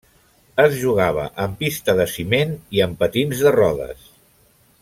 Es jugava en pista de ciment i amb patins de rodes.